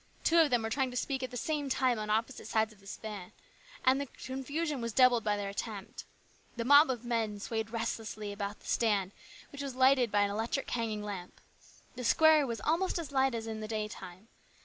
Two of them were trying to speak at the same time on opposite sides of the stand, and the confusion was doubled by their attempt. The mob of men swayed restlessly about the stand, which was lighted by an electric hanging lamp. The square was almost as light as in the day time.